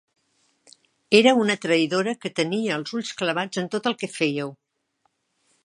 Era una traïdora que tenia els ulls clavats en tot el que féieu.